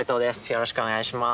よろしくお願いします。